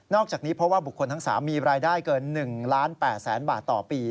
อกจากนี้เพราะว่าบุคคลทั้ง๓มีรายได้เกิน๑ล้าน๘แสนบาทต่อปี